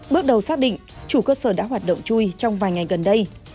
bước đầu xác định chủ cơ sở đã hoạt động chui trong vài ngày gần đây